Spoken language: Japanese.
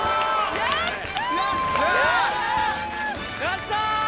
やった。